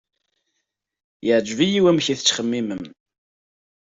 Yeɛjeb-iyi wamek ay ttxemmimen.